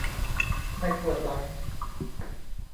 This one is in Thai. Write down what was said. ไม่ปวดหลัง